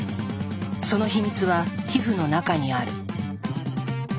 その秘密は皮膚の中にある。